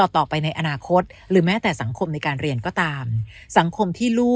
ต่อไปในอนาคตหรือแม้แต่สังคมในการเรียนก็ตาม